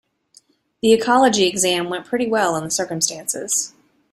The ecology exam went pretty well in the circumstances.